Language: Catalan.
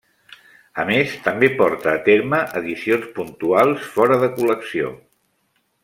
A més també porta a terme edicions puntuals fora de col·lecció.